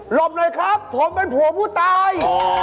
บเลยครับผมเป็นผัวผู้ตาย